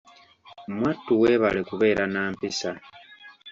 Mwattu weebale kubeera na mpisa.